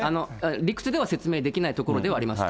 理屈では説明できないところではあります。